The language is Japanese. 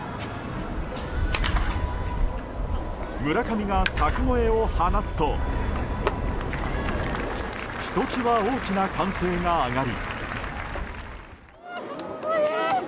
村上が柵越えを放つとひときわ大きな歓声が上がり。